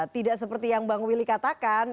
tidak seperti yang bang willy katakan